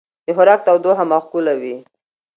د خوراک تودوخه معقوله وي.